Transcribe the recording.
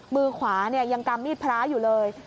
มือขวายังกำมีดพระอยู่เลย